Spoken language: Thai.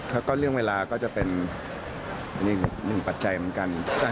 แล้วก็เรื่องเวลาก็จะเป็นอีกหนึ่งปัจจัยเหมือนกัน